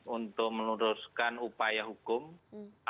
untuk meneruskan upaya upaya untuk meneruskan upaya upaya